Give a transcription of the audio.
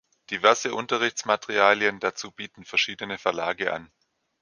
Diverse Unterrichtsmaterialien dazu bieten verschiedene Verlage an.